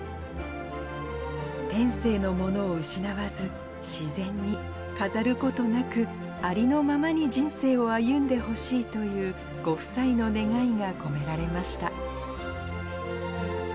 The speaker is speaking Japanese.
天性のものを失わず、自然に飾ることなく、ありのままに人生を歩んでほしいという、ご夫妻の願いが込められました。